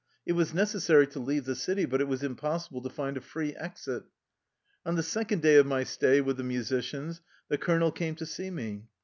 It was necessary to leave the city, but it was impossible to find a free exit. On the second day of my stay with the musi cians the colonel came to see me.